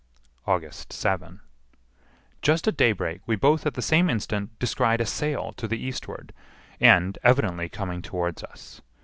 August 7. Just at daybreak we both at the same instant descried a sail to the eastward, and _evidently coming towards us!